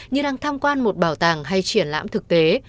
như đang tham quan một bảo tàng hay triển lãm thực tế